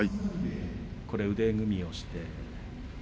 腕組みをして。